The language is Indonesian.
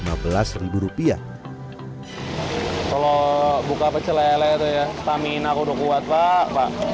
kalau buka pecel lele itu ya stamina aku udah kuat pak